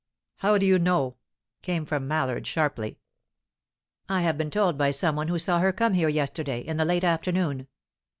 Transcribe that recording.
"How do you know?" came from Mallard, sharply. "I have been told by some one who saw her come here yesterday, in the late afternoon."